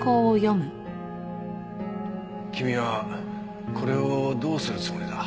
君はこれをどうするつもりだ？